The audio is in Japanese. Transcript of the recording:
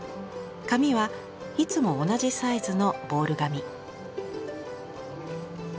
紙はいつも同じサイズのボール紙。